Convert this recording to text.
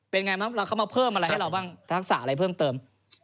เป็นไงบ้างแล้วเขามาเพิ่มอะไรให้เราบ้างทักษะอะไรเพิ่มเติม